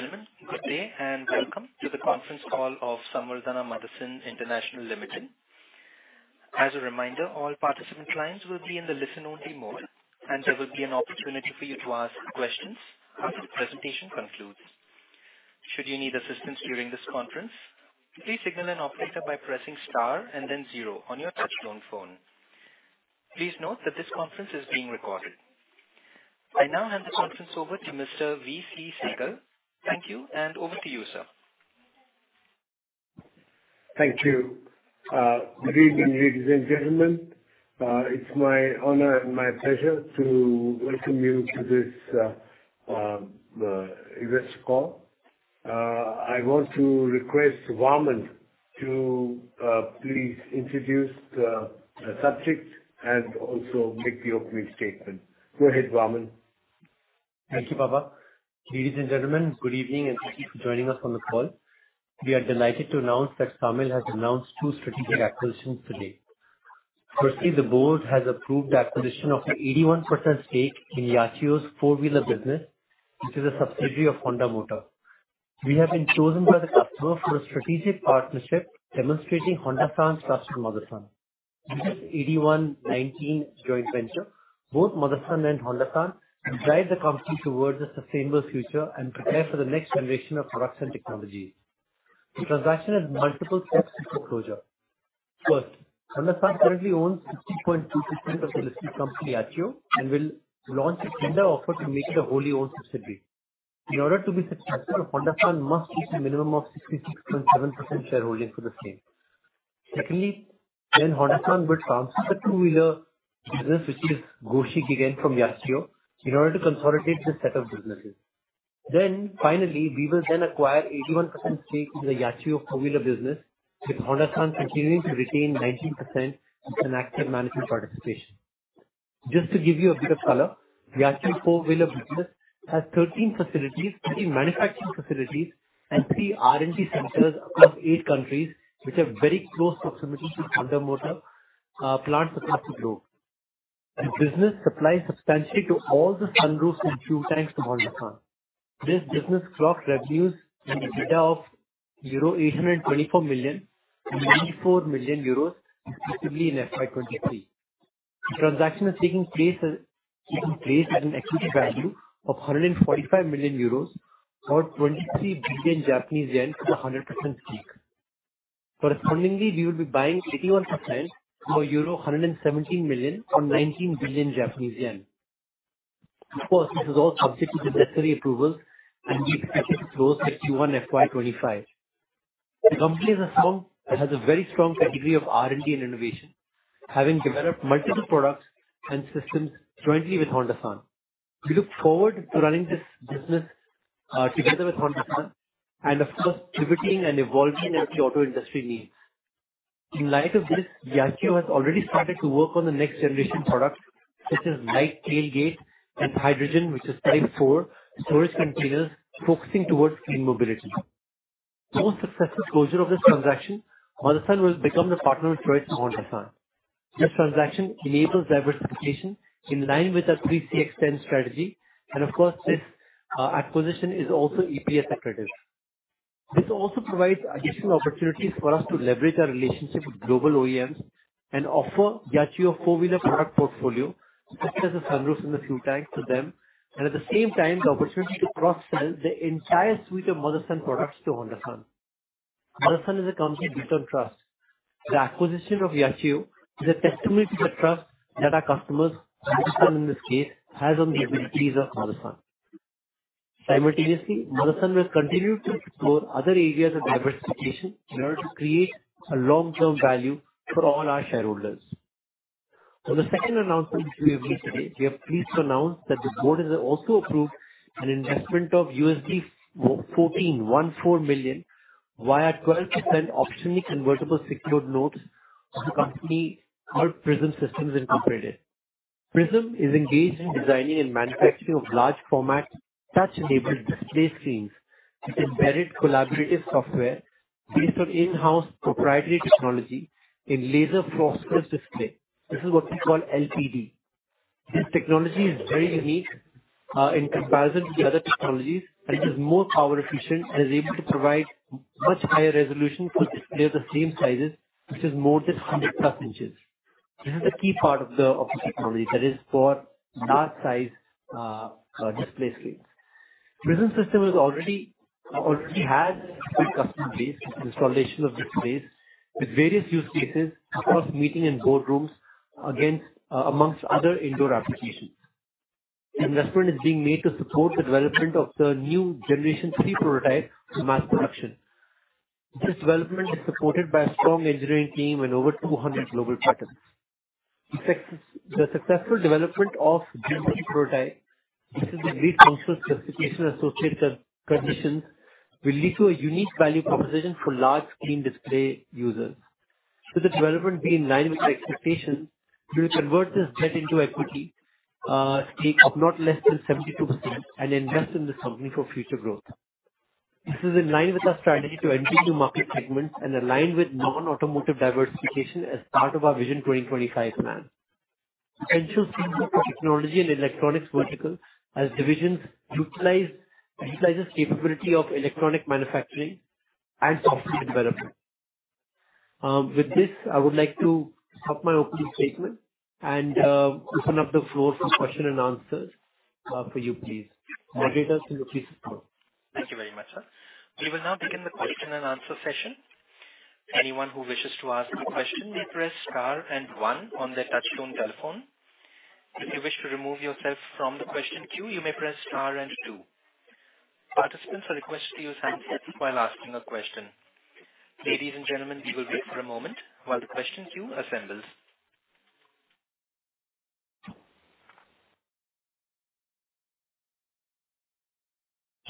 Ladies and gentlemen, good day, and welcome to the conference call of Samvardhana Motherson International Limited. As a reminder, all participant lines will be in the listen-only mode, and there will be an opportunity for you to ask questions after the presentation concludes. Should you need assistance during this conference, please signal an operator by pressing star and then zero on your touchtone phone. Please note that this conference is being recorded. I now hand the conference over to Mr. VC Sehgal. Thank you, and over to you, sir. Thank you. Good evening, ladies and gentlemen. It's my honor and my pleasure to welcome you to this event call. I want to request Vaaman to please introduce the subject and also make the opening statement. Go ahead, Vaaman. Thank you, Baba. Ladies and gentlemen, good evening, thank you for joining us on the call. We are delighted to announce that SAMIL has announced two strategic acquisitions today. The board has approved the acquisition of an 81% stake in Yachiyo's four-wheeler business, which is a subsidiary of Honda Motor. We have been chosen by the customer for a strategic partnership demonstrating Honda-san's trust in Motherson. This is 81-19 joint venture. Both Motherson and Honda-san drive the company towards a sustainable future and prepare for the next generation of products and technologies. The transaction has multiple steps to closure. Honda-san currently owns 60.2% of the listed company, Yachiyo, and will launch a tender offer to make it a wholly-owned subsidiary. In order to be successful, Honda-san must reach a minimum of 66.7% shareholding for the same. Secondly, Honda-san will transfer the two-wheeler business, which is Goshi Giken from Yachiyo, in order to consolidate this set of businesses. Finally, we will then acquire 81% stake in the Yachiyo four-wheeler business, with Honda-san continuing to retain 19% as an active management participation. Just to give you a bit of color, Yachiyo four-wheeler business has 13 facilities, 13 manufacturing facilities, and three R&D centers across eight countries, which are in very close proximity to Honda Motor Co., Ltd. plants across the globe. The business supplies substantially to all the sunroof in few times to Honda-san. This business clocks revenues and EBITDA of EUR 824 million and 94 million euros, respectively, in FY23. The transaction is taking place at an equity value of 145 million euros or 23 billion Japanese yen for the 100% stake. We will be buying 81% for euro 117 million or 19 billion Japanese yen. This is all subject to the necessary approvals, and we expect it to close FY2025. The company is a strong and has a very strong pedigree of R&D and innovation, having developed multiple products and systems jointly with Honda-san. We look forward to running this business together with Honda-san, of course, pivoting and evolving as the auto industry needs. In light of this, Yachiyo has already started to work on the next generation products, such as light tailgate and hydrogen, which is Type IV storage containers focusing towards clean mobility. Post successful closure of this transaction, Motherson will become the partner of choice for Honda-san. This transaction enables diversification in line with our 3CX10 strategy, of course, this acquisition is also EPS accretive. This also provides additional opportunities for us to leverage our relationship with global OEMs and offer Yachiyo four-wheeler product portfolio, such as the sunroof and the fuel tanks, to them, at the same time, the opportunity to cross-sell the entire suite of Motherson products to Honda-san. Motherson is a company built on trust. The acquisition of Yachiyo is a testimony to the trust that our customers, Yachiyo in this case, has on the abilities of Motherson. Simultaneously, Motherson will continue to explore other areas of diversification in order to create a long-term value for all our shareholders. The second announcement, which we have made today, we are pleased to announce that the board has also approved an investment of $14 million, via 12% optionally convertible secured notes to the company called Prysm Systems, Inc. Prysm is engaged in designing and manufacturing of large format, touch-enabled display screens with embedded collaborative software based on in-house proprietary technology in Laser Phosphor Display. This is what we call LPD. This technology is very unique, in comparison to the other technologies, and it is more power efficient and is able to provide much higher resolution for displays of same sizes, which is more than 100+ inches. This is a key part of the technology that is for large size display screens. Prysm System is already has a good customer base with installation of displays, with various use cases across meeting and boardrooms, amongst other indoor applications. Investment is being made to support the development of the new Gen 3 prototype to mass production. This development is supported by a strong engineering team and over 200 global patents. The successful development of Prysm prototype, which is the lead counsel specification associated conditions, will lead to a unique value proposition for large screen display users. With the development being in line with the expectations, we will convert this debt into equity stake of not less than 72% and invest in this company for future growth. This is in line with our strategy to enter new market segments and align with non-automotive diversification as part of our Vision 2025 plan. Potential synergy for technology and electronics vertical as divisions utilizes capability of electronic manufacturing and software development. With this, I would like to start my opening statement and open up the floor for question and answers for you, please. Moderators, you please support. Thank you very much, sir. We will now begin the question and answer session. Anyone who wishes to ask a question may press star and one on their touchtone telephone. If you wish to remove yourself from the question queue, you may press star and two. Participants are requested to use handsets while asking a question. Ladies and gentlemen, we will break for a moment while the question queue assembles.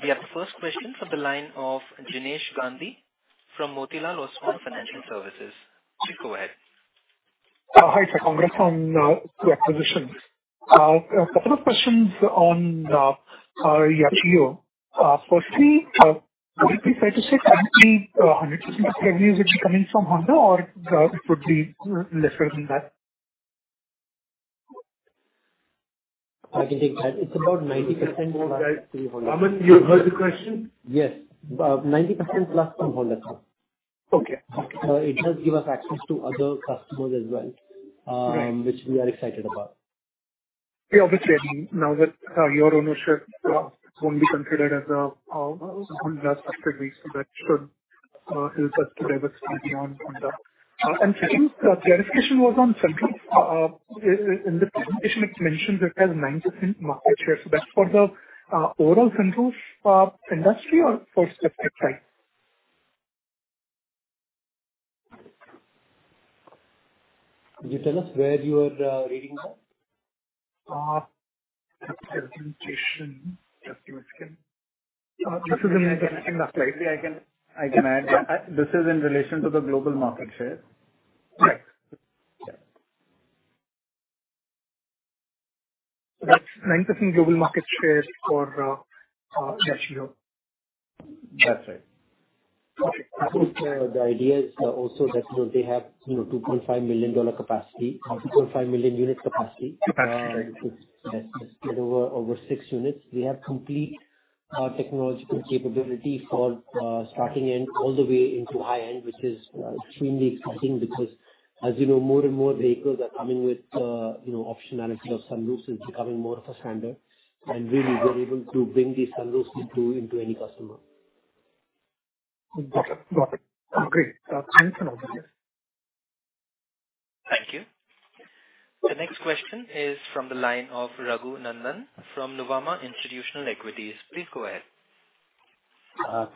We have the first question from the line of Jinesh Gandhi from Motilal Oswal Financial Services. Please go ahead. Hi, sir, congrats on the acquisitions. A couple of questions on Yachiyo. Firstly, would you be fair to say currently, 100% of revenues will be coming from Honda or it would be less than that? I can take that. It's about 90%+. Amen, you heard the question? Yes. 90%+ from Honda, sir. Okay. It does give us access to other customers as well. Right. which we are excited about. Obviously, I mean, now that your ownership won't be considered as a Honda subsidiary, so that should help us to diversify beyond Honda. Second, the verification was on sunroof. In the presentation, it's mentioned it has 9% market share. That's for the overall sunroof industry or for specific type? Could you tell us where you are, reading that? Presentation, just a second. I can add. This is in relation to the global market share. Right. Yeah. That's 9% global market share for Yachiyo. That's right. Okay. I think, the idea is also that they have, you know, $2.5 million capacity, 2.5 million unit capacity. It could get over 6 units. We have complete technological capability for starting end all the way into high-end, which is extremely exciting, because as you know, more and more vehicles are coming with, you know, optionality of sunroofs is becoming more of a standard. Really, we're able to bring these sunroofs into any customer. Got it. Great. Thanks an lot. Thank you. The next question is from the line of Raghunandhan NL from Nuvama Institutional Equities. Please go ahead.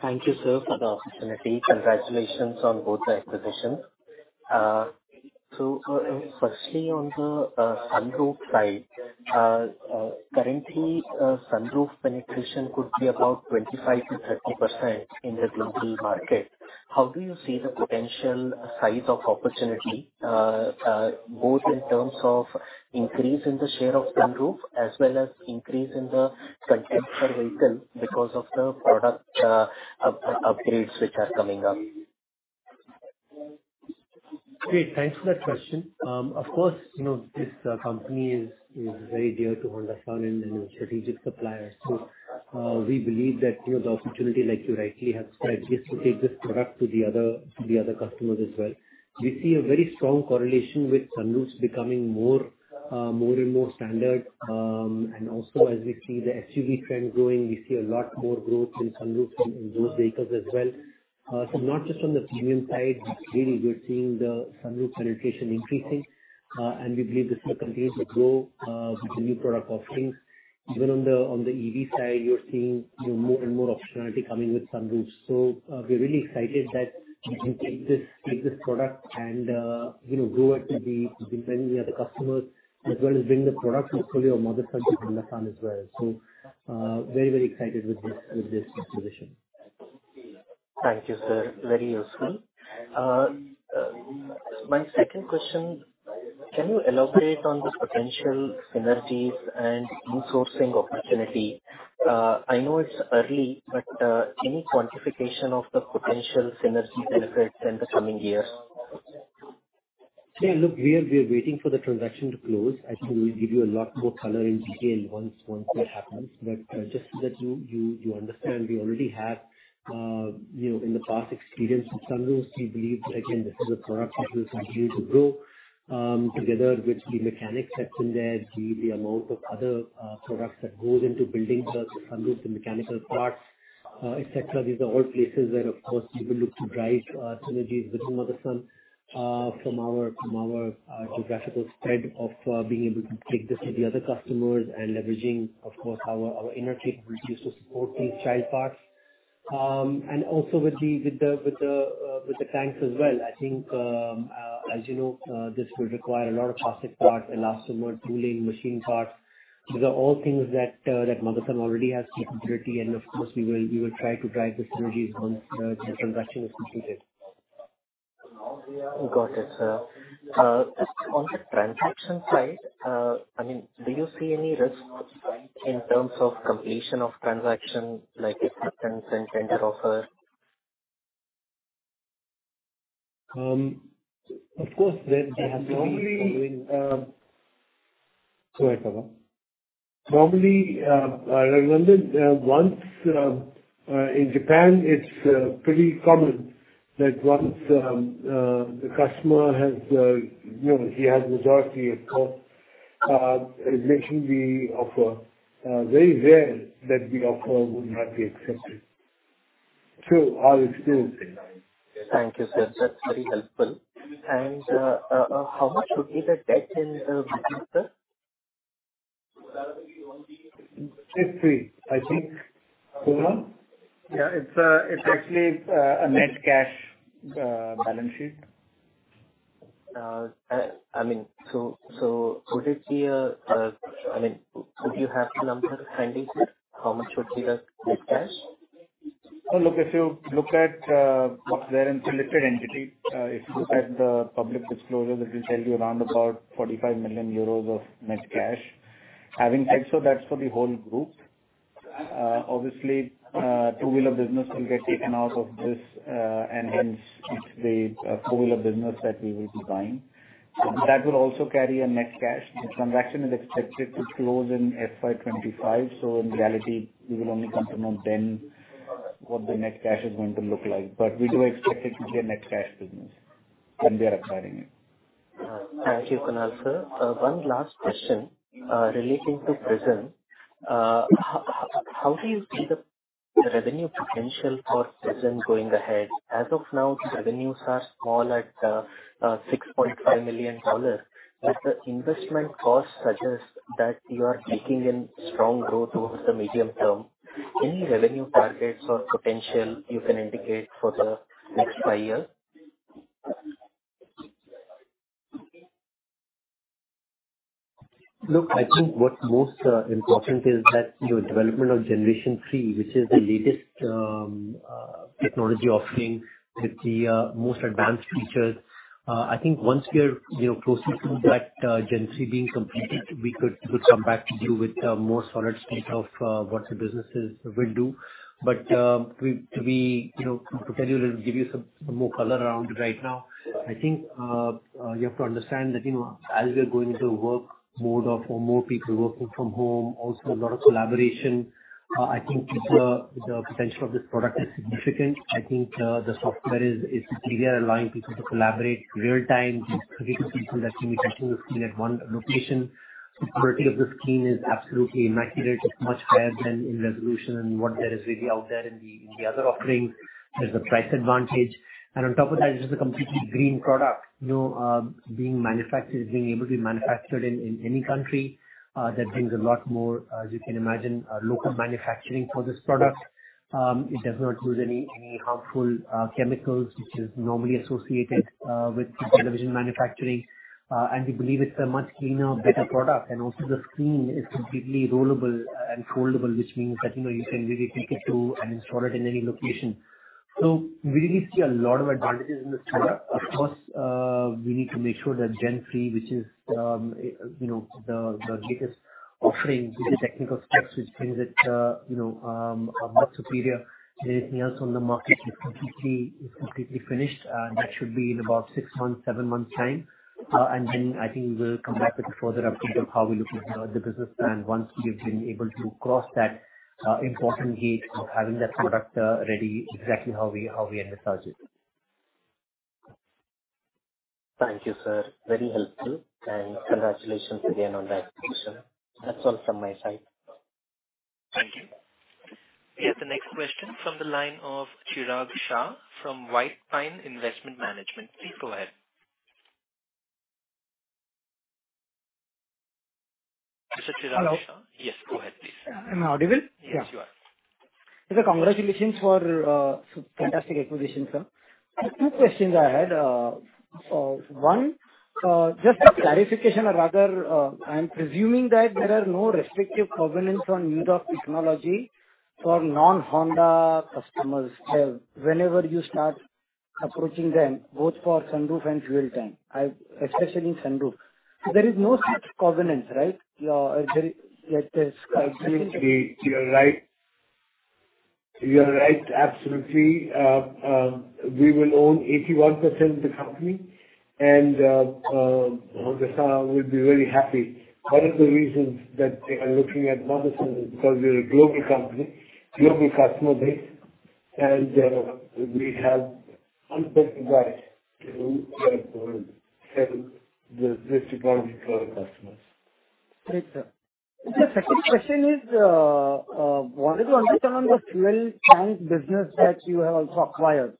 Thank you, sir, for the opportunity. Congratulations on both the acquisitions. Firstly, on the sunroof side, currently, sunroof penetration could be about 25%-30% in the global market. How do you see the potential size of opportunity, both in terms of increase in the share of sunroof as well as increase in the potential vehicle because of the product upgrades which are coming up? Great, thanks for that question. Of course, you know, this company is very dear to Honda-san and strategic supplier. We believe that, you know, the opportunity, like you rightly have described, is to take this product to the other, to the other customers as well. We see a very strong correlation with sunroof becoming more, more and more standard. As we see the SUV trend growing, we see a lot more growth in sunroof in those vehicles as well. Not just on the premium side, really, we're seeing the sunroof penetration increasing, and we believe this will continue to grow with the new product offerings. On the, on the EV side, you're seeing, you know, more and more optionality coming with sunroof. We're really excited that we can take this product and, you know, grow it to many other customers, as well as bring the product portfolio of Motherson to Honda as well. Very, very excited with this, with this acquisition. Thank you, sir. Very useful. My second question, can you elaborate on the potential synergies and in-sourcing opportunity? I know it's early, but, any quantification of the potential synergy benefits in the coming years? Yeah, look, we're waiting for the transaction to close. I think we'll give you a lot more color and detail once that happens. Just so that you understand, we already have, you know, in the past experience with Sunroof, we believe that again, this is a product that will continue to grow, together with the mechanic section there, the amount of other products that goes into building the Sunroof, the mechanical parts, et cetera. These are all places where, of course, we will look to drive synergies with the Motherson, from our geographical spread of being able to take this to the other customers and leveraging, of course, our inner kick reduces support these child parts. Also with the tanks as well, I think, as you know, this will require a lot of plastic parts, elastomer, tooling, machine parts. These are all things that Motherson already has capability, and of course, we will try to drive the synergies once the transaction is completed. Got it, sir. Just on the transaction side, I mean, do you see any risk in terms of completion of transaction, like acceptance and tender offer?... of course, then they have normally, go ahead, Baba. Probably, I remember that once, in Japan, it's pretty common that once, the customer has, you know, he has majority of car, making the offer, very rare that the offer would not be accepted. Our experience say. Thank you, sir. That's very helpful. How much would be the debt in business, sir? It's free, I think. Kunal? Yeah. It's actually a net cash balance sheet. I mean, so would it be I mean, would you have the numbers handy, sir? How much would be the net cash? Look, if you look at what's there in listed entity, if you look at the public disclosure, it will tell you around about 45 million euros of net cash. That's for the whole group. Obviously, two-wheeler business will get taken out of this. Hence it's the four-wheeler business that we will be buying. That will also carry a net cash. The transaction is expected to close in FY2025. In reality, we will only come to know then what the net cash is going to look like. We do expect it to be a net cash business, and we are acquiring it. Thank you, Kunal, sir. One last question relating to Prysm. How do you see the revenue potential for Prysm going ahead? As of now, the revenues are small at $6.5 million, but the investment costs suggest that you are taking in strong growth over the medium term. Any revenue targets or potential you can indicate for the next five years? Look, I think what's most important is that, you know, development of Generation three, which is the latest technology offering with the most advanced features. I think once we're, you know, closer to that Gen 3 being completed, we'll come back to you with a more solid state of what the businesses will do. We, you know, to tell you, we'll give you some more color around right now. I think you have to understand that, you know, as we are going into a work mode of more people working from home, also a lot of collaboration, I think the potential of this product is significant. I think the software is superior, allowing people to collaborate real-time with people that can be looking at one location. The quality of the screen is absolutely immaculate. It's much higher than in resolution and what there is really out there in the other offerings. There's a price advantage. On top of that, it's just a completely green product, you know, being manufactured, being able to be manufactured in any country, that brings a lot more, as you can imagine, local manufacturing for this product. It does not use any harmful chemicals, which is normally associated with television manufacturing. We believe it's a much cleaner, better product. Also the screen is completely rollable and foldable, which means that, you know, you can really take it to and install it in any location. We really see a lot of advantages in this product. Of course, we need to make sure that Gen 3, which is, you know, the latest offering with the technical specs, which brings it, you know, a lot superior than anything else on the market, is completely finished. That should be in about six months, seven months' time. Then I think we will come back with a further update of how we look at, the business and once we've been able to cross that, important gate of having that product, ready, exactly how we envisaged it. Thank you, sir. Very helpful, and congratulations again on the acquisition. That's all from my side. Thank you. We have the next question from the line of Chirag Shah from White Pine Investment Management. Please go ahead. Mr. Chirag Shah- Hello. Yes, go ahead, please. Am I audible? Yes, you are. Sir, congratulations for, fantastic acquisition, sir. Two questions I had. One, just a clarification or rather, I'm presuming that there are no restrictive covenants on use of technology for non-Honda customers. Whenever you start approaching them, both for sunroof and fuel tank. Especially sunroof. There is no such covenant, right? There, like there's. You are right. You are right. Absolutely, we will own 81% of the company and Honda will be very happy. One of the reasons that they are looking at Motherson is because we are a global company, global customer base, and we have unprecedented to sell this technology to our customers. Great, sir. The second question is, wanted to understand the fuel tank business that you have also acquired.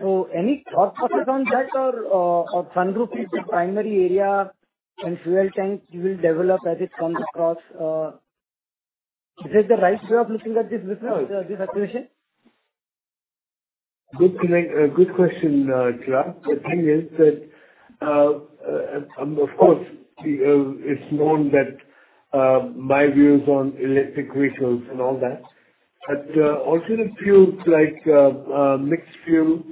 Any thought process on that or sunroof is the primary area and fuel tank you will develop as it comes across. Is that the right way of looking at this business, this acquisition? Good question, Chirag. The thing is that, of course, it's known that my views on electric vehicles and all that, but also the fuels like mixed fuels,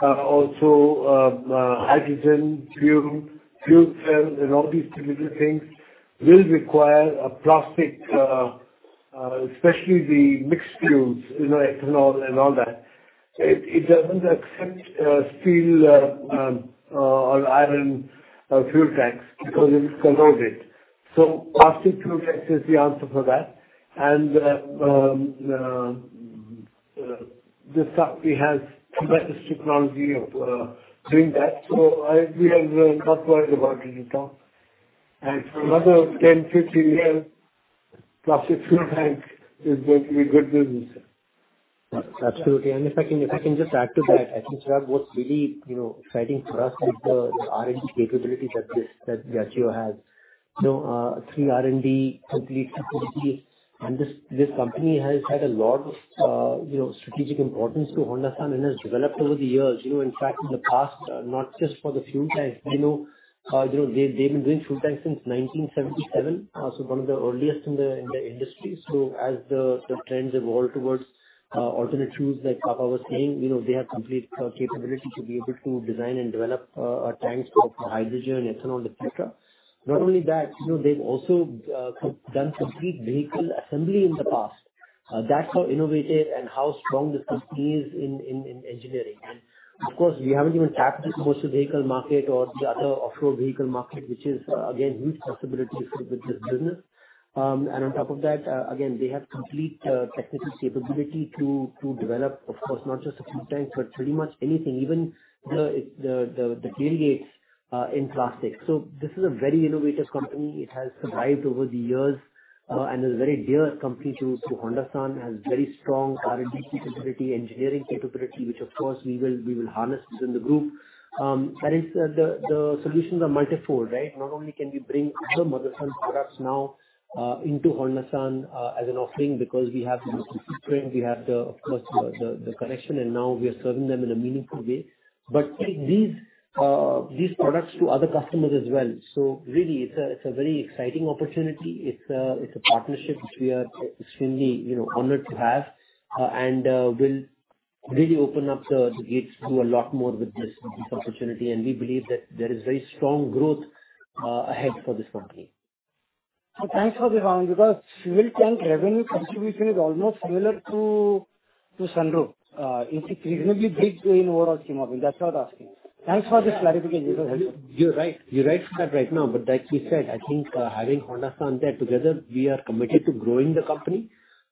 also hydrogen fuel cells, and all these different things will require a plastic.... especially the mixed fuels, you know, ethanol and all that. It doesn't accept, steel, or iron, fuel tanks because it will corrode it. Plastic fuel tanks is the answer for that. This company has the best technology of, doing that, so I, we are not worried about it at all. For another 10, 15 years, plastic fuel tanks is going to be good business. Absolutely. If I can just add to that, I think what's really, you know, exciting for us is the R&D capability that Yachiyo has. Through R&D, complete capability, and this company has had a lot of, you know, strategic importance to Honda-san and has developed over the years. You know, in fact, in the past, not just for the fuel tanks, you know, they've been doing fuel tanks since 1977. One of the earliest in the industry. As the trends evolve towards alternate fuels, like Baba was saying, you know, they have complete capability to be able to design and develop tanks for hydrogen, ethanol, et cetera. Not only that, you know, they've also done complete vehicle assembly in the past. That's how innovative and how strong this company is in engineering. Of course, we haven't even tapped this motor vehicle market or the other off-road vehicle market, which is, again, huge possibility for, with this business. On top of that, again, they have complete technical capability to develop, of course, not just a few tanks, but pretty much anything, even the clear gates in plastic. This is a very innovative company. It has survived over the years and is a very dear company to Honda-san, has very strong R&D capability, engineering capability, which of course we will harness within the group. That is the solutions are multifold, right? Not only can we bring other Motherson products now into Honda-san as an offering, because we have the footprint, we have the, of course, the connection, and now we are serving them in a meaningful way. Take these products to other customers as well. Really, it's a very exciting opportunity. It's a partnership which we are extremely, you know, honored to have, and will really open up the gates to a lot more with this opportunity, and we believe that there is very strong growth ahead for this company. Thanks for the round, because civil tank revenue contribution is almost similar to Sunroof. It's a reasonably big way in overall scheme of it. That's what I'm asking. Thanks for the clarification. You're right. You're right for that right now, but like we said, I think, having Honda-san there together, we are committed to growing the company.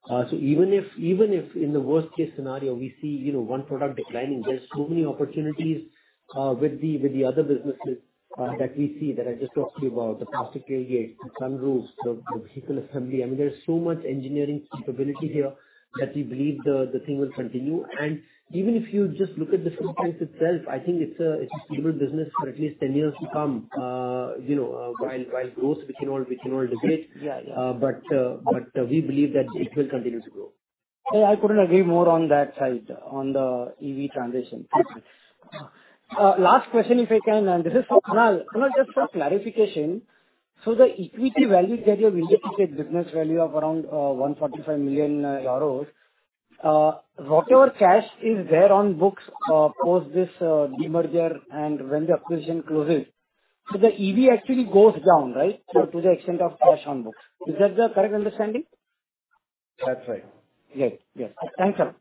So even if, even if in the worst-case scenario, we see, you know, one product declining, there are so many opportunities, with the, with the other businesses, that we see that I just talked to you about, the plastic gate, the sunroof, the vehicle assembly. I mean, there's so much engineering capability here that we believe the thing will continue. Even if you just look at the fuel tanks itself, I think it's a, it's a stable business for at least 10 years to come. You know, while growth, we can all, we can all debate. Yeah, yeah. We believe that it will continue to grow. Yeah, I couldn't agree more on that side, on the EV transition. last question, if I can, and this is for Kunal. Kunal, just for clarification, the equity value here, you've indicated business value of around, 145 million euros. Whatever cash is there on books, post this demerger and when the acquisition closes, the EV actually goes down, right? To the extent of cash on books. Is that the correct understanding? That's right. Yes. Yes. Thanks, sir.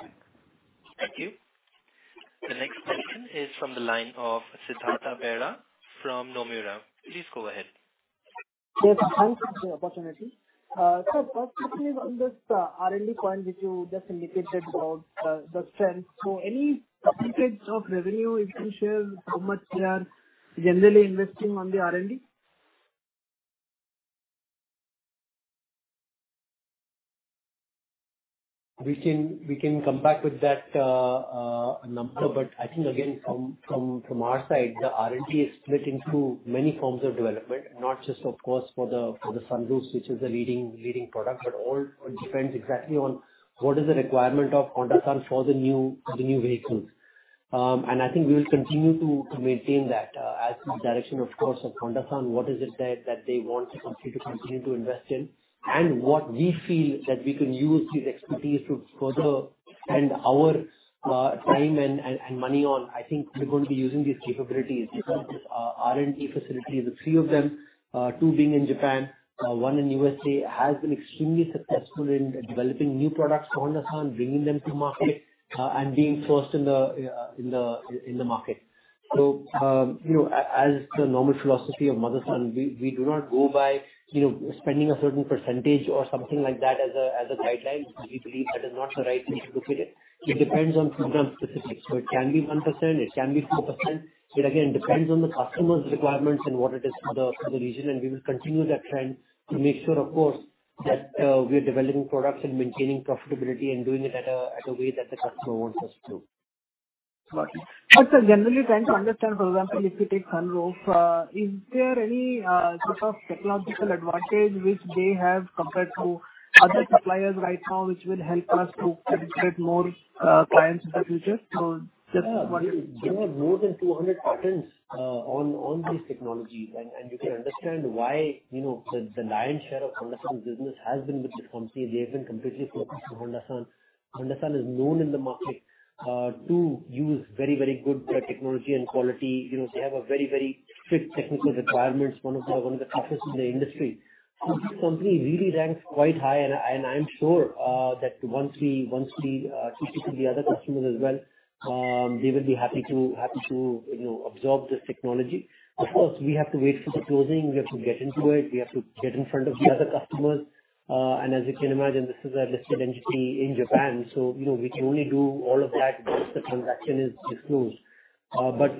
Thank you. The next question is from the line of Siddhartha Bera from Nomura. Please go ahead. Yes, thanks for the opportunity. First quickly on this R&D point, which you just indicated about the strength. Any percentage of revenue you can share, how much we are generally investing on the R&D? We can come back with that number. I think again, from our side, the R&D is split into many forms of development, not just, of course, for the sunroofs, which is the leading product, it depends exactly on what is the requirement of Honda for the new vehicles. I think we will continue to maintain that as the direction, of course, of Honda. What is it that they want the company to continue to invest in, and what we feel that we can use these expertise to further and our time and money on. I think we're going to be using these capabilities, R&D facilities, the three of them, two being in Japan, one in U.S.A., has been extremely successful in developing new products for Honda-san, bringing them to market, and being first in the market. You know, as the normal philosophy of Motherson, we do not go by, you know, spending a certain percentage or something like that as a guideline. We believe that is not the right way to look at it. It depends on program specifics. It can be 1%, it can be 4%. It again, depends on the customer's requirements and what it is for the region, and we will continue that trend to make sure, of course, that we are developing products and maintaining profitability and doing it at a way that the customer wants us to. Got you. Sir, generally trying to understand, for example, if you take Sunroof, is there any sort of technological advantage which they have compared to other suppliers right now, which will help us to get more clients in the future? Just. Yeah. They have more than 200 patents on this technology. You can understand why, you know, the lion's share of Honda-san business has been with the company. They've been completely focused on Honda-san. Honda-san is known in the market to use very, very good technology and quality. You know, they have a very, very strict technical requirements, one of the toughest in the industry. This company really ranks quite high, and I'm sure that once we teach it to the other customers as well, they will be happy to, you know, absorb this technology. Of course, we have to wait for the closing. We have to get into it. We have to get in front of the other customers. As you can imagine, this is a listed entity in Japan, you know, we can only do all of that once the transaction is closed.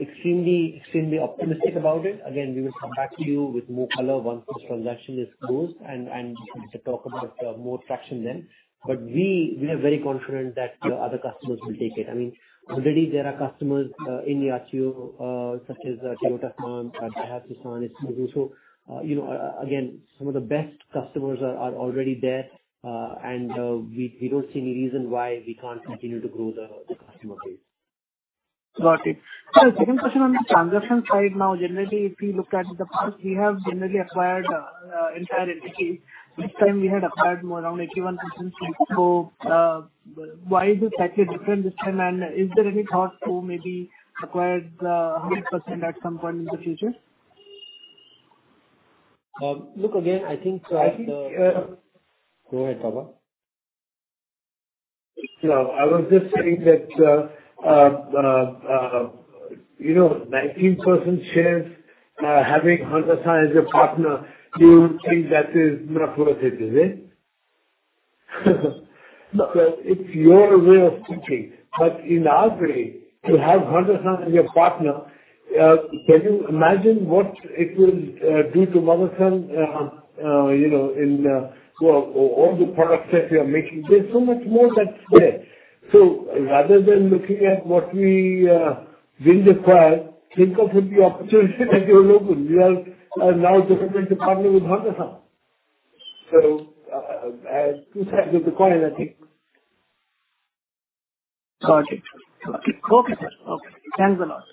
Extremely, extremely optimistic about it. Again, we will come back to you with more color once this transaction is closed, and we can talk about more traction then. We are very confident that the other customers will take it. I mean, already there are customers in Yachiyo, such as Toyota, I have Nissan and Subaru. You know, again, some of the best customers are already there, and we don't see any reason why we can't continue to grow the customer base. Got it. Sir, second question on the transaction side. Generally, if we look at the past, we have generally acquired entire entity. This time we had acquired more around 81%. Why is this slightly different this time? Is there any thought to maybe acquire the 100% at some point in the future? Look, again, I think. I think. Go ahead, Baba. I was just saying that, you know, 19% shares, having Honda as a partner, do you think that is not worth it, is it? It's your way of thinking, but in our way, to have Honda as your partner, can you imagine what it will do to Motherson, you know, in, to all the product set we are making? There's so much more that's there. Rather than looking at what we didn't acquire, think of the opportunity that you have opened. We are now directly partnering with Honda. Two sides of the coin, I think. Got it. Okay. Okay, sir. Okay. Thanks a lot.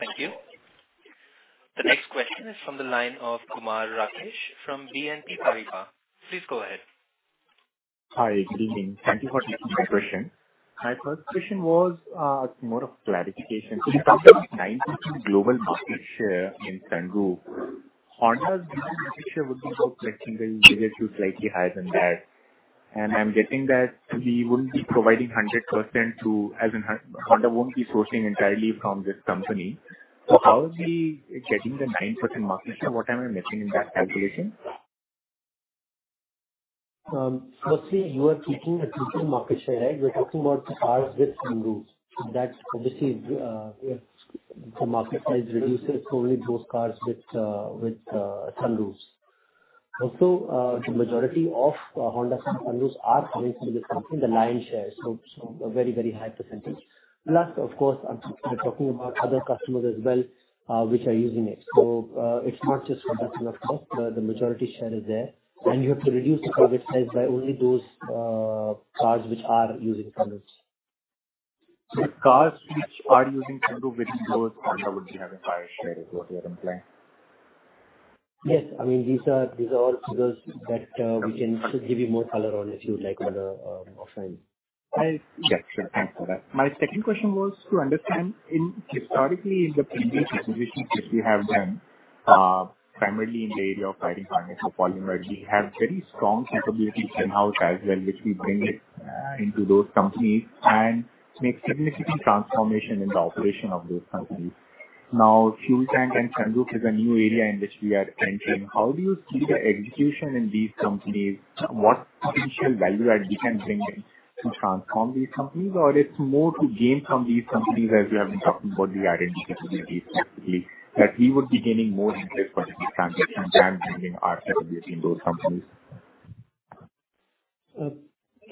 Thank you. The next question is from the line of Kumar Rakesh from BNP Paribas. Please go ahead. Hi, good evening. Thank you for taking my question. My first question was more of clarification. When you talk about 90% global market share in sunroof, Honda's market share would be about like single-digit to slightly higher than that. I'm guessing that we wouldn't be providing 100%. As in, Honda won't be sourcing entirely from this company. How is he getting the 9% market share? What am I missing in that calculation? Firstly, you are looking at total market share, right? We're talking about cars with sunroofs. That obviously, the market size reduces only those cars with sunroofs. Also, the majority of Honda sunroofs are coming from this company, the lion's share, so a very, very high percentage. Plus, of course, I'm talking about other customers as well, which are using it. It's not just for that customer. The majority share is there, and you have to reduce the target size by only those cars which are using sunroofs. The cars which are using sunroof, which those Honda would be having higher share, is what you are implying? I mean, these are all figures that we can give you more color on if you would like on a offline. Yeah, sure. Thanks for that. My second question was to understand in historically, in the previous acquisitions which we have done, primarily in the area of fighting fiber for polymer, we have very strong capabilities in-house as well, which we bring it into those companies and make significant transformation in the operation of those companies. Now, fuel tank and sunroof is a new area in which we are entering. How do you see the execution in these companies? What potential value add we can bring in to transform these companies, or it's more to gain from these companies as we have been talking about the R&D capabilities, that we would be gaining more in this particular transaction than bringing our capability in those companies?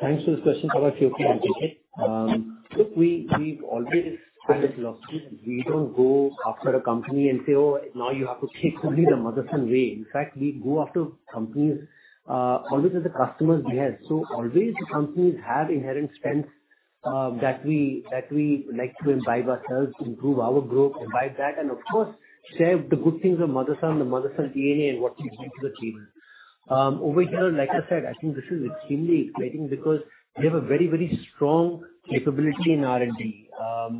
Thanks for the question, Kumar. Okay, I'll take it. Look, we've already explained the philosophy. We don't go after a company and say, "Oh, now you have to take only the Motherson way." In fact, we go after companies, always as a customer's head. Always the companies have inherent strengths that we like to imbibe ourselves, improve our group, imbibe that, and of course, share the good things of Motherson, the Motherson DNA and what we bring to the table. Over here, like I said, I think this is extremely exciting because they have a very, very strong capability in R&D.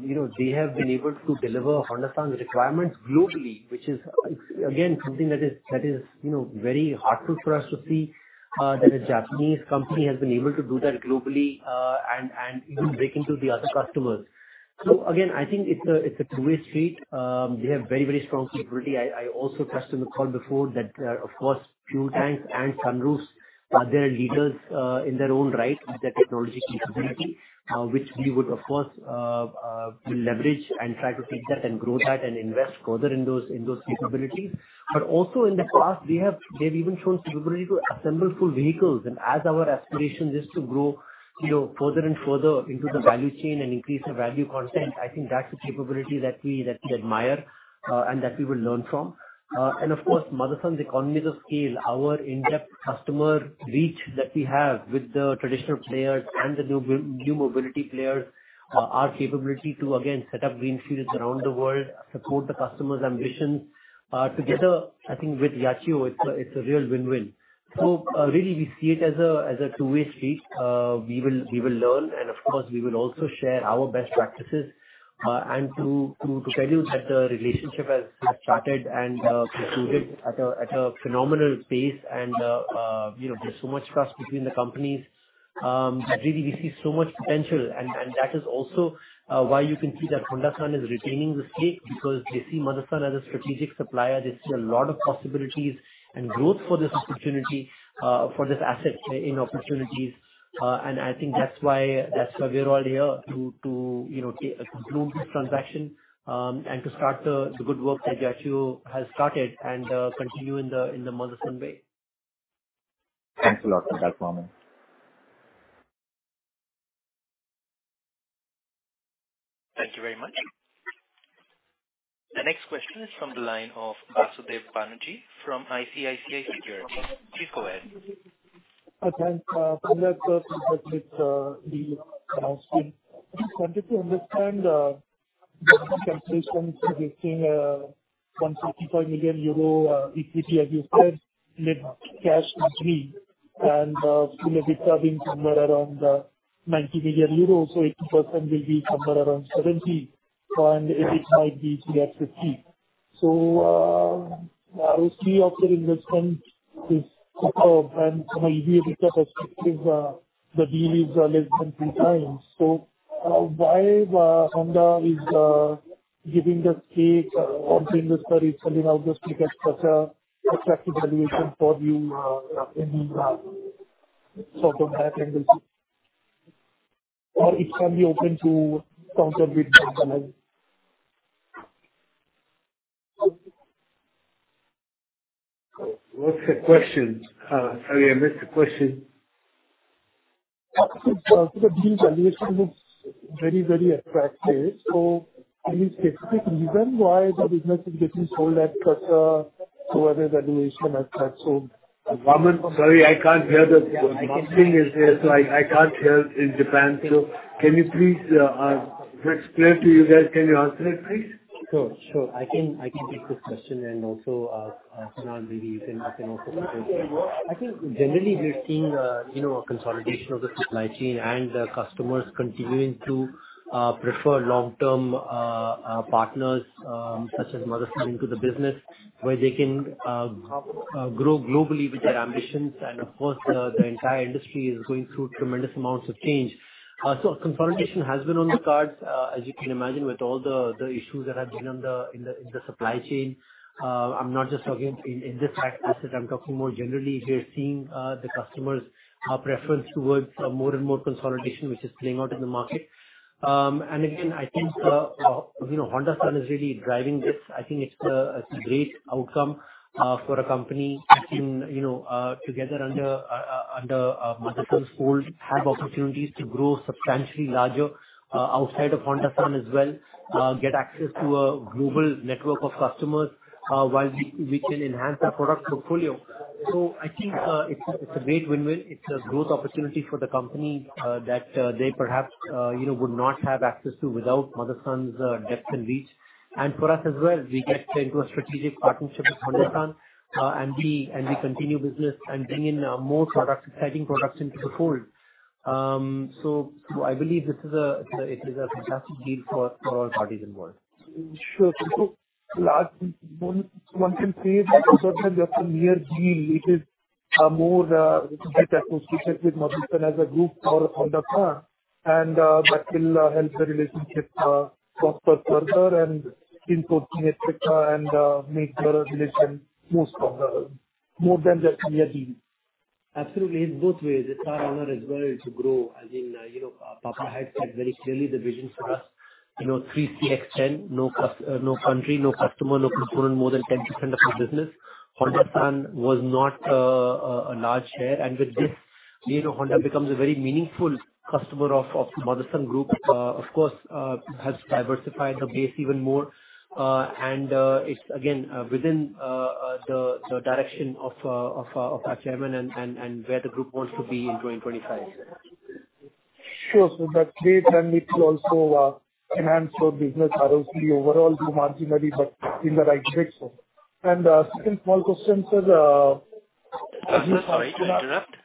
You know, they have been able to deliver Honda's requirements globally, which is, again, something that is, you know, very heartful for us to see, that a Japanese company has been able to do that globally, and even break into the other customers. Again, I think it's a two-way street. They have very strong capability. I also touched on the call before that, of course, fuel tanks and sunroofs are their leaders, in their own right, with their technology capability, which we would of course leverage and try to take that and grow that and invest further in those, in those capabilities. Also in the past, they've even shown capability to assemble full vehicles. As our aspiration is to grow, you know, further and further into the value chain and increase the value content, I think that's a capability that we, that we admire, and that we will learn from. Of course, Motherson's economies of scale, our in-depth customer reach that we have with the traditional players and the new mobility players, our capability to, again, set up greenfields around the world, support the customer's ambitions, together, I think with Yachiyo, it's a, it's a real win-win. Really, we see it as a, as a two-way street. We will learn, and of course, we will also share our best practices, and to tell you that the relationship has started and proceeded at a phenomenal pace and, you know, there's so much trust between the companies. Really, we see so much potential, and that is also why you can see that Honda-san is retaining the stake, because they see Motherson as a strategic supplier. They see a lot of possibilities and growth for this opportunity, for this asset in opportunities. And I think that's why we're all here to, you know, take, conclude this transaction, and to start the good work that Yachiyo has started and continue in the Motherson way. Thanks a lot for that, Vaman. Thank you very much. The next question is from the line of Basudeb Banerjee from ICICI Securities. Please go ahead. Thanks for that with the announcement. Just wanted to understand the calculations suggesting 155 million euro equity, as you said, with cash entry and maybe turning somewhere around 90 million.[So It] will be somewhere around 70, and it might be 50. Those three outside investment is, and maybe we expect the deals are less than 3x. Why Honda is giving the stake or selling out the stake at such a attractive valuation for you in the sort of high angle? It can be open to counter with another? What's the question? Sorry, I missed the question. The deal valuation is very, very attractive, any specific reason why the business is getting sold at such a lower valuation as such? Vaaman, sorry, I can't hear. Nothing is there, I can't hear in Japan. Can you please explain to you guys, can you answer it, please? Sure. I can take this question and also, Kunal, you can, I can also. I think generally we're seeing, you know, a consolidation of the supply chain and the customers continuing to prefer long-term partners, such as Motherson into the business, where they can grow globally with their ambitions. Of course, the entire industry is going through tremendous amounts of change. So consolidation has been on the cards, as you can imagine, with all the issues that have been in the supply chain. I'm not just talking in this practice, I'm talking more generally. We are seeing the customers preference towards more and more consolidation, which is playing out in the market. Again, I think, you know, Honda-san is really driving this. I think it's a great outcome for a company acting, you know, together under Motherson's fold, have opportunities to grow substantially larger outside of Honda-san as well. Get access to a global network of customers while we can enhance our product portfolio. I think it's a great win-win. It's a growth opportunity for the company that they perhaps would not have access to without Motherson's depth and reach. For us as well, we get into a strategic partnership with Honda-san, and we continue business and bring in more products, exciting products into the fold. I believe it is a fantastic deal for all parties involved. Sure. Last one can say that it is a mere deal. It is more tight association with Motherson as a group for Honda-san, and that will help the relationship prosper further and import synergies and make the relation more stronger, more than just a mere deal. Absolutely. It's both ways. It's our honor as well to grow. As in, you know, Baba has said very clearly the vision for us, you know, 3CX10, no country, no customer, no component, more than 10% of our business. Honda-san was not a large share, and with this, you know, Honda becomes a very meaningful customer of Motherson Group. Of course, has diversified the base even more. It's again within the direction of our chairman and where the group wants to be in 2025. Sure. That date then we can also enhance your business obviously overall through marginally, but in the right direction. Second small question, sir. Sorry to interrupt.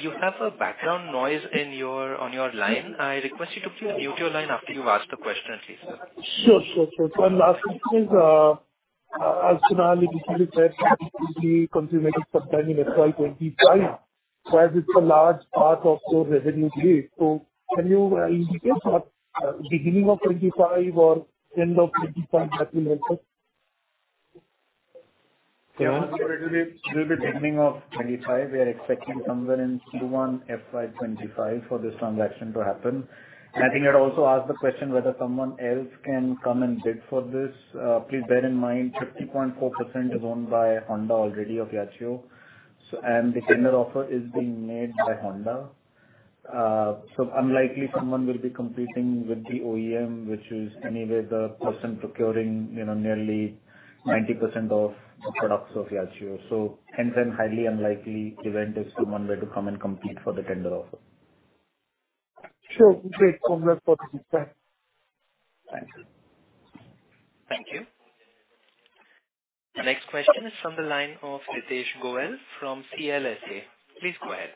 You have a background noise in your, on your line. I request you to please mute your line after you've asked the question, please, sir. Sure, sure. My last question is, as you said, it will be consummated sometime in FY2025, whereas it's a large part of your revenue base. Can you indicate what, beginning of 2025 or end of 2025? That will help us. It will be beginning of 2025. We are expecting somewhere in Q1 FY2025 for this transaction to happen. I think I'd also ask the question whether someone else can come and bid for this. Please bear in mind, 50.4% is owned by Honda already of Yachiyo. The tender offer is being made by Honda. Unlikely someone will be competing with the OEM, which is anyway the person procuring, you know, nearly 90% of the products of Yachiyo. Highly unlikely event is someone were to come and compete for the tender offer. Sure. Great. Thanks a lot. Thank you. Thank you. The next question is from the line of Hitesh Goel from CLSA. Please go ahead.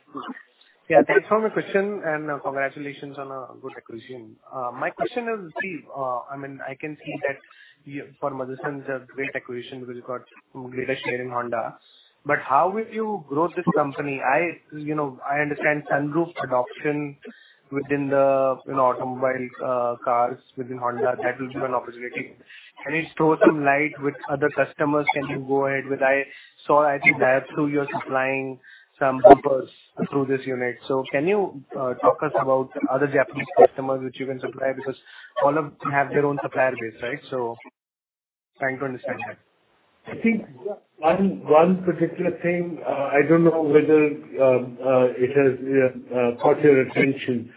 Yeah, thanks for my question, congratulations on a good acquisition. My question is, Steve, I mean, I can see that you, for Motherson's, a great acquisition because you've got greater share in Honda. How will you grow this company? I, you know, I understand sunroof adoption within the, you know, automobile cars within Honda, that will be an opportunity. Can you throw some light with other customers, can you go ahead with? I saw, I think, that through you're supplying some bumpers through this unit. Can you talk us about other Japanese customers which you can supply? Because all of them have their own supplier base, right? Trying to understand that. I think one particular thing, I don't know whether it has caught your attention.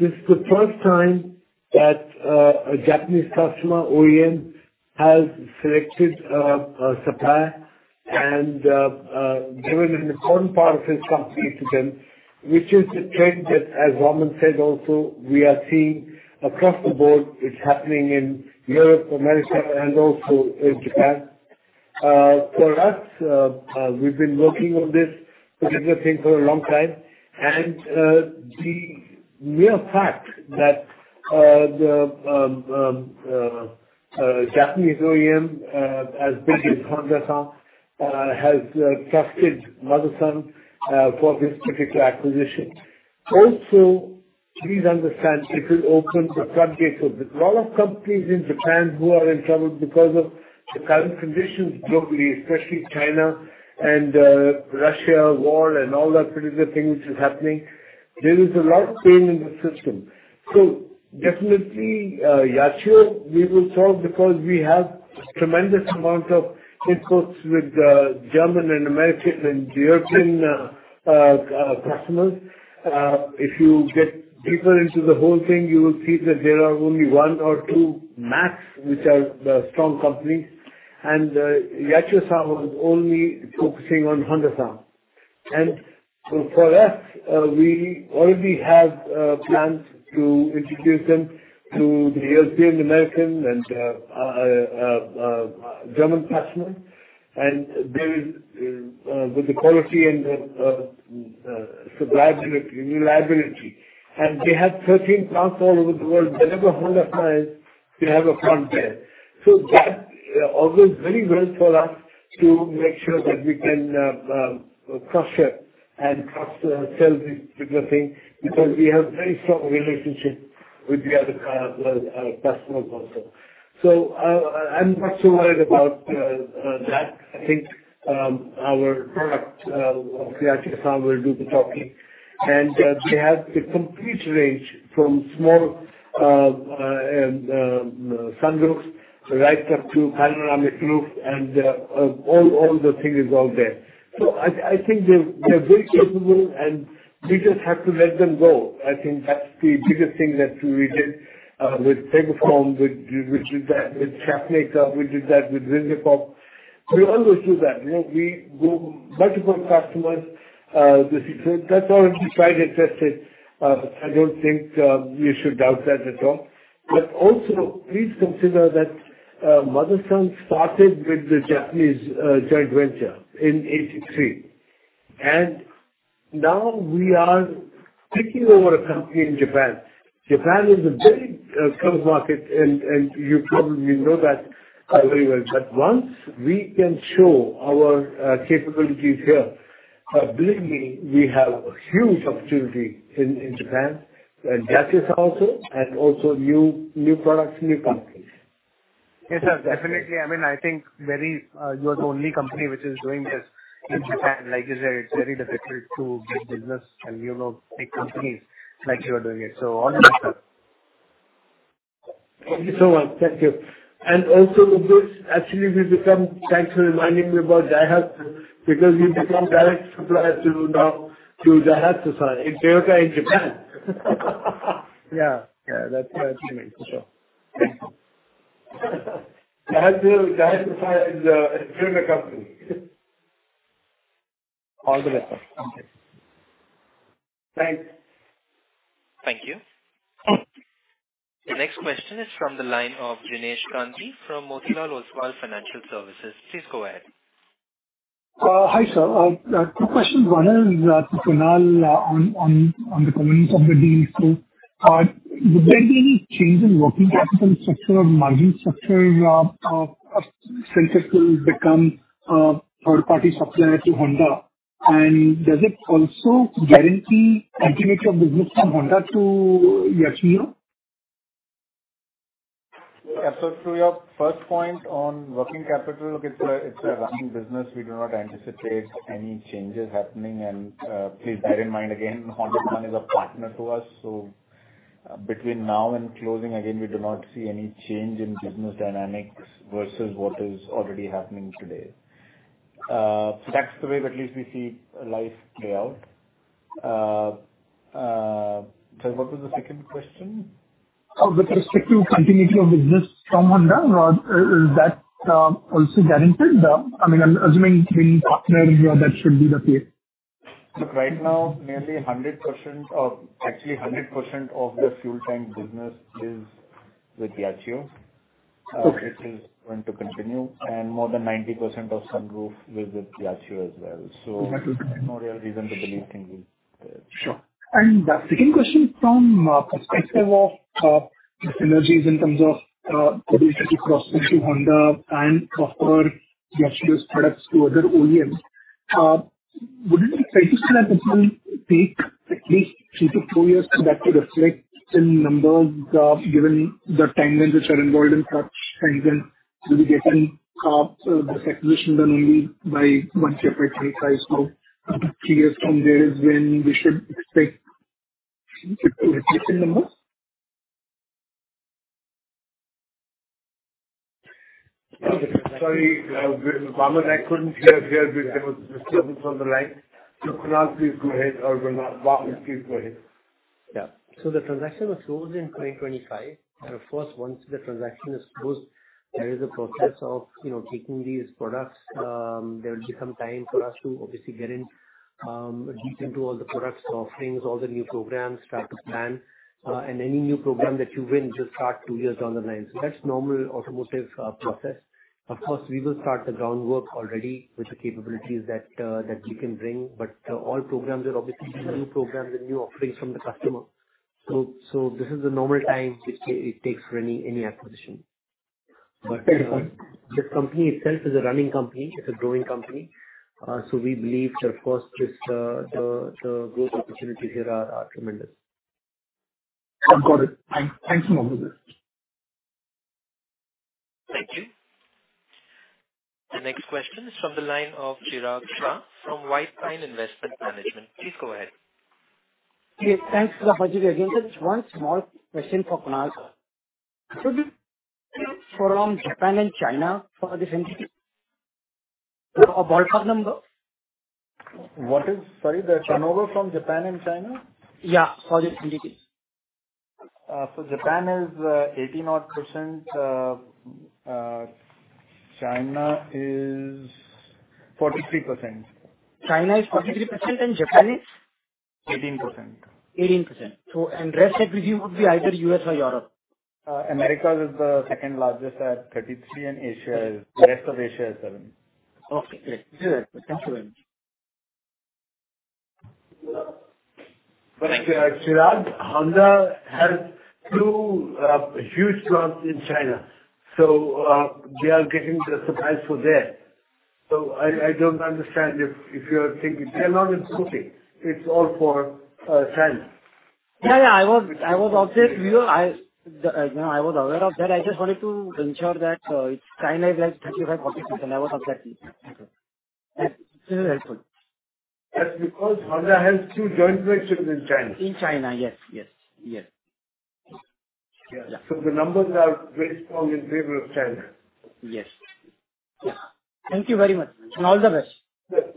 This is the first time that a Japanese customer, OEM, has selected a supplier and given an important part of his company to them, which is the trend that, as Vaaman said also, we are seeing across the board. It's happening in Europe, America, and also in Japan. For us, we've been working on this particular thing for a long time, and the real fact that the Japanese OEM, as big as Honda, has trusted Motherson for this particular acquisition. Also, please understand it will open the floodgates of the lot of companies in Japan who are in trouble because of the current conditions globally, especially China and Russia war and all that particular thing which is happening. There is a lot of pain in the system. Definitely, Yachiyo, we will solve because we have tremendous amount of inputs with German and American and European customers. If you get deeper into the whole thing, you will see that there are only one or two max, which are the strong companies, and Yachiyo is only focusing on Honda. For us, we already have plans to introduce them to the European, American, and German customers. There is with the quality and the supply ability, reliability. They have 13 plants all over the world. Wherever Honda is, they have a plant there. That bodes very well for us to make sure that we can crush it and cross-sell this particular thing, because we have very strong relationship with the other customers also. I'm not so worried about that. I think our product of Yachiyo will do the talking. They have the complete range from small sunroofs right up to panoramic roof and all the things is out there. I think they're very capable, and we just have to let them go. I think that's the biggest thing that we did with, [inaudible] we did that with, [inaudible] we did that with Woco. We always do that. You know, we go multiple customers, this is so that's already tried and tested. I don't think we should doubt that at all. Also, please consider that Motherson started with the Japanese joint venture in 1983, and now we are taking over a company in Japan. Japan is a very close market and you probably know that very well. Once we can show our capabilities here, believe me, we have a huge opportunity in Japan, and that is also and also new products, new companies. Yes, sir, definitely. I mean, I think very, you are the only company which is doing this in Japan. Like you said, it's very difficult to get business and, you know, big companies like you are doing it. All the best, sir. Thank you so much. Thank you. Thanks for reminding me about Daihatsu, because we become direct suppliers to now, to Daihatsu, in Toyota, in Japan. Yeah. Yeah, that's right. Daihatsu is a driven company. All the best, sir. Okay. Thanks. Thank you. The next question is from the line of Jinesh Gandhi from Motilal Oswal Financial Services. Please go ahead. Hi, sir. Two questions. One is to Kunal on the components of the deal. Would there be any change in working capital structure or margin structure since it will become a third-party supplier to Honda? Does it also guarantee continuity of business from Honda to Yachiyo? To your first point on working capital, look, it's a running business. We do not anticipate any changes happening. Please bear in mind, again, Honda is a partner to us, between now and closing, again, we do not see any change in business dynamics versus what is already happening today. What was the second question? With respect to continuity of business from Honda, is that also guaranteed? I mean, I'm assuming being partner here, that should be the case.... Look, right now, nearly 100% of, actually 100% of the fuel tank business is with Yachiyo. Okay. It is going to continue, and more than 90% of sunroof is with Yachiyo as well. Okay. No real reason to believe things will change. Sure. The second question, from perspective of, synergies in terms of, obviously cross-issue Honda and offer Yachiyo's products to other OEMs, would it be fair to say that this will take at least two to four years for that to reflect in numbers, given the timelines which are involved in such kinds and will be getting, the acquisition done only by one year, by 2025. So three years from there is when we should expect to reflect in numbers? Sorry, Vaaman, I couldn't hear clearly. There was disturbance on the line. Kunal, please go ahead, or Vaaman, please go ahead. Yeah. The transaction was closed in 2025, and of course, once the transaction is closed, there is a process of, you know, taking these products. There will be some time for us to obviously get in deep into all the product offerings, all the new programs, track the plan and any new program that you win just start two years down the line. That's normal automotive process. Of course, we will start the groundwork already with the capabilities that we can bring, but all programs are obviously new programs and new offerings from the customer. This is the normal time which it takes for any acquisition. The company itself is a running company, it's a growing company. We believe that of course, this, the growth opportunities here are tremendous. I've got it. Thanks a lot. Thank you. The next question is from the line of Chirag Shah from White Pine Investment Management. Please go ahead. Okay, thanks, [inaudible] again. Just one small question for Kunal, sir. Could you from Japan and China for this entity, a ballpark number? Sorry, the turnover from Japan and China? Yeah, for this entity. Japan is 18 odd %. China is 43%. China is 43%, and Japan is? 18%. 18%. Rest of it would be either US or Europe? Americas is the second largest at 33, and Asia is, the rest of Asia is seven. Okay, great. Thank you very much. Chirag, Honda has two huge plants in China, they are getting the supplies for there. I don't understand if you're thinking they're not importing, it's all for China. Yeah, yeah, I was, I was also, you know, I, you know, I was aware of that. I just wanted to ensure that, China is like 35%-40%. I was exactly. Thank you. This is helpful. That's because Honda has two joint ventures in China. In China. Yes, yes. Yeah. Yeah. The numbers are very strong in favor of China. Yes. Yeah. Thank you very much. All the best. Good.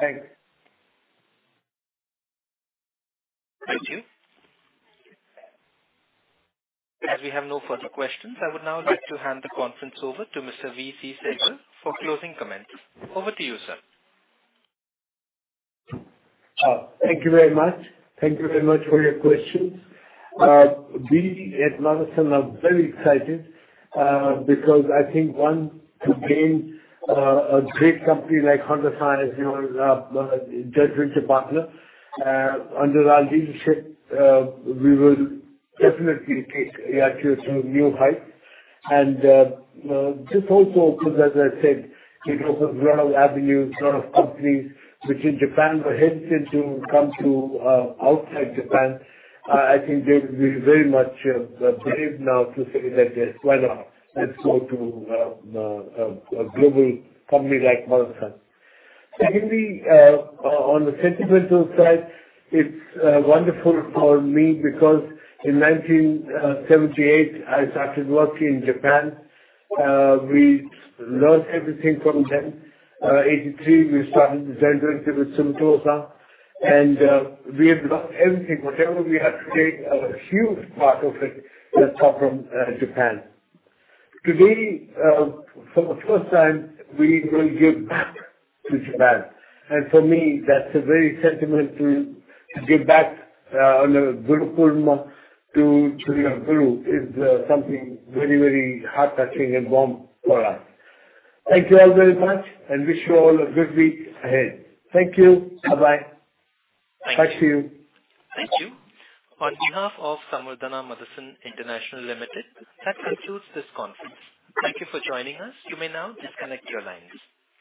Thanks. Thank you. As we have no further questions, I would now like to hand the conference over to Mr. VC Sehgal for closing comments. Over to you, sir. Thank you very much. Thank you very much for your questions. We at Motherson are very excited because I think, one, to gain a great company like Honda as your joint venture partner. Under our leadership, we will definitely take Yachiyo to new heights. Just also because, as I said, it opens a lot of avenues, a lot of companies which in Japan were hesitant to come to outside Japan. I think they will be very much brave now to say that, "Yes, why not? Let's go to a global company like Motherson." Secondly, on the sentimental side, it's wonderful for me because in 1978, I started working in Japan. We learned everything from them. 1983, we started the joint venture with Sumitomo, and we have learned everything. Whatever we have today, a huge part of it has come from Japan. Today, for the first time, we will give back to Japan, and for me, that's a very sentimental to give back on the Guru Purnima to your guru is something very, very heart-touching and warm for us. Thank you all very much, and wish you all a good week ahead. Thank you. Bye-bye. Talk to you. Thank you. On behalf of Samvardhana Motherson International Limited, that concludes this conference. Thank you for joining us. You may now disconnect your lines.